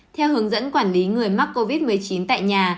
theo hướng dẫn quản lý người mắc covid một mươi chín tại nhà